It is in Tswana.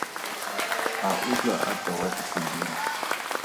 A utlwa a tsewa ke sedidi.